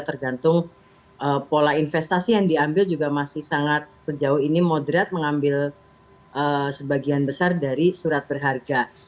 tergantung pola investasi yang diambil juga masih sangat sejauh ini moderat mengambil sebagian besar dari surat berharga